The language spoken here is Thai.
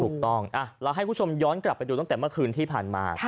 ถูกต้องเราให้คุณผู้ชมย้อนกลับไปดูตั้งแต่เมื่อคืนที่ผ่านมา